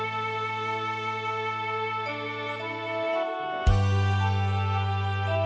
เพลงที่สองเพลงมาครับ